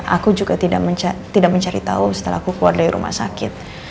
aku juga tidak mencari tahu setelah aku keluar dari rumah sakit